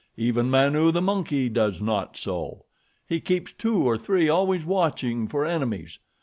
Even Manu, the monkey, does not so. He keeps two or three always watching for enemies.